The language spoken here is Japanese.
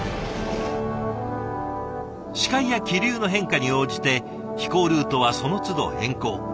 視界や気流の変化に応じて飛行ルートはそのつど変更。